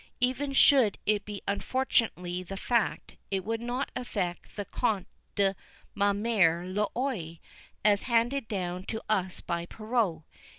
Even should it be unfortunately the fact, it would not affect the Conte de ma Mère l'Oye, as handed down to us by Perrault.